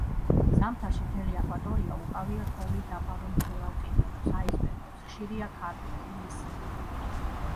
ზამთარში მთელი აკვატორია უკავია თოვლით დაფარულ მცურავ ყინულებს, აისბერგებს; ხშირია ქარბუქი, ნისლი.